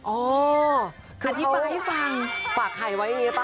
อ่อออคือเขาฝากไข่ไว้ป่ะค่ะ